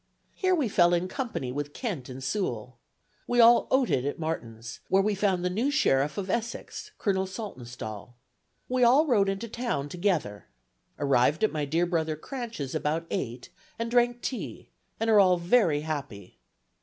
Here we fell in company with Kent and Sewall. We all oated at Martin's, where we found the new sheriff of Essex, Colonel Saltonstall. We all rode into town together. Arrived at my dear brother Cranch's about eight, and drank tea, and are all very happy.